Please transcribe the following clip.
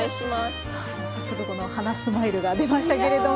早速このはなスマイルが出ましたけれども。